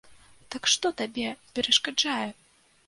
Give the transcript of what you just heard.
Так што табе перашкаджае?